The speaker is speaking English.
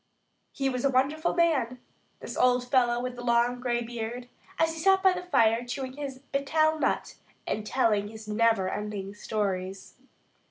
He was a wonderful man, this old fellow with the long gray beard, as he sat by the fire chewing his "betel" nut and telling his neverending stories.